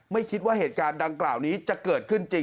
ไม่คิดว่าเหตุการณ์ดังกล่าวนี้จะเกิดขึ้นจริง